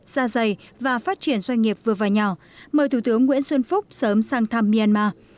gia dày và phát triển doanh nghiệp vừa và nhỏ mời thủ tướng nguyễn xuân phúc sớm sang thăm myanmar